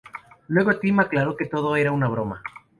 Luego Tim aclaró que todo era una broma.